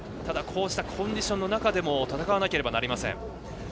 こうしたコンディションの中でも戦わなければなりません。